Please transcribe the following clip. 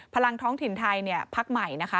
พลังท้องถิ่นไทยเนี่ยพักใหม่นะคะ